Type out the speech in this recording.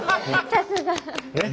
さすが。